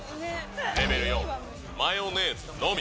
レベル４、マヨネーズのみ。